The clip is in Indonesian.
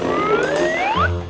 terima kasih pak